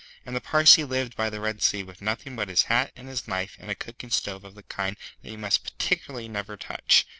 And the Parsee lived by the Red Sea with nothing but his hat and his knife and a cooking stove of the kind that you must particularly never touch.